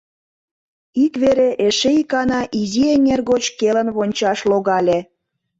Ик вере эше икана изи эҥер гоч келын вончаш логале.